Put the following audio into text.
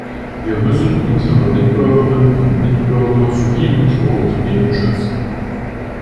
Wir müssen unsere Mitbürgerinnen und Mitbürger sowie unsere Unternehmen schützen.